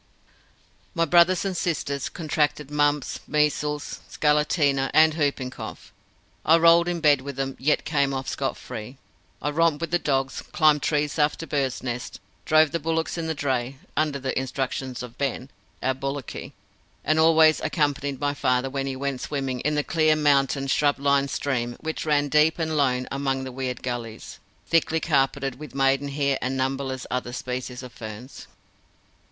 My brothers and sisters contracted mumps, measles, scarlatina, and whooping cough. I rolled in the bed with them yet came off scot free. I romped with dogs, climbed trees after birds' nests, drove the bullocks in the dray, under the instructions of Ben, our bullocky, and always accompanied my father when he went swimming in the clear, mountain, shrub lined stream which ran deep and lone among the weird gullies, thickly carpeted with maidenhair and numberless other species of ferns.